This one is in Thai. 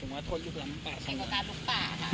ไม่ก็การลุกป่าฮะ